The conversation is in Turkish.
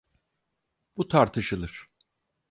Bu tartışılır.